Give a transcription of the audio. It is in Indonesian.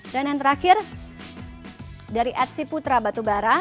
dan yang terakhir dari at siputra batubara